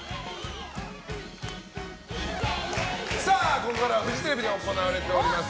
ここからはフジテレビで行われております